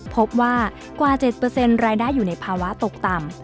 พบว่ากว่า๗รายได้อยู่ในภาวะตกต่ำ